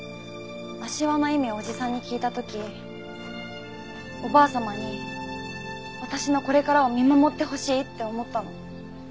足環の意味をおじさんに聞いた時おばあ様に私のこれからを見守ってほしいって思ったの。